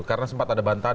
karena sempat ada bantahan